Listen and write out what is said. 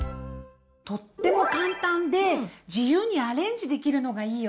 とっても簡単で自由にアレンジできるのがいいよね！